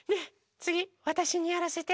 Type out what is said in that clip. つぎわたしにやらせて。